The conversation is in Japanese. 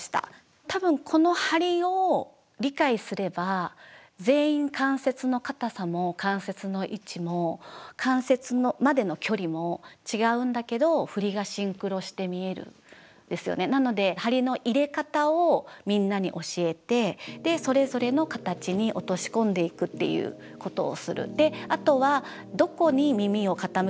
多分この梁を理解すれば全員関節の硬さも関節の位置も関節までの距離も違うんだけどなので梁の入れ方をみんなに教えてそれぞれの形に落とし込んでいくっていうことをする。